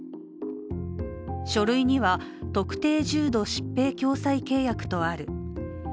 書類には特定重度疾病共済契約とある。